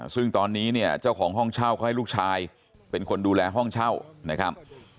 ซึ่งตอนนี้เนี่ยเจ้าของห้องเช่าเขาให้ลูกชายเป็นคนดูแลห้องเช่านะครับ